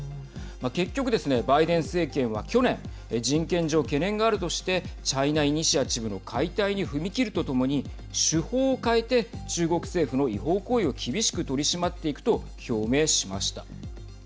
結局ですね、バイデン政権は去年人権上、懸念があるとしてチャイナ・イニシアチブの解体に踏み切るとともに手法を変えて中国政府の違法行為を厳しく取り締まっていくと表明しました。